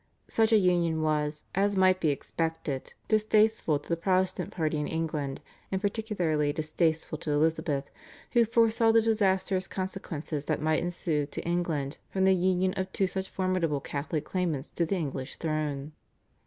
Such a union was, as might be expected, distasteful to the Protestant party in England, and particularly distasteful to Elizabeth, who foresaw the disastrous consequences that might ensue to England from the union of two such formidable Catholic claimants to the English throne.